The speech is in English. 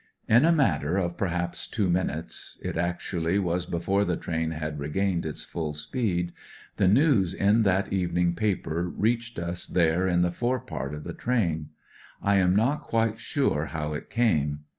In a matter of perhaps two minutes, it actually was before the train had regained its full speed, the news in that evening paper reached us there in the fore part of the tram. I am not quite sure how it came.